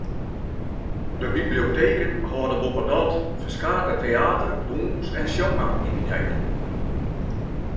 De biblioteken hâlde boppedat ferskate teäter-, dûns- en sjongaktiviteiten.